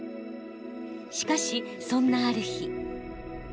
しかしそんなある日。